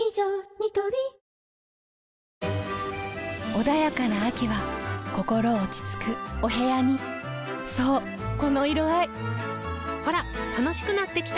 ニトリ穏やかな秋は心落ち着くお部屋にそうこの色合いほら楽しくなってきた！